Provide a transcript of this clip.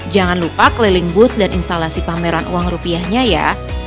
jangan lupa keliling bus dan instalasi pameran uang rupiahnya ya